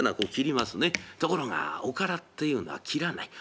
ところがおからっていうのは切らない。